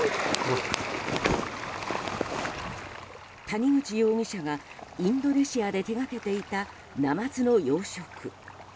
谷口容疑者がインドネシアで手掛けていたナマズの養殖。